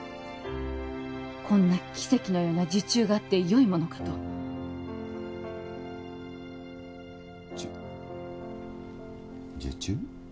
こんな奇跡のような受注があってよいものかとじゅ受注？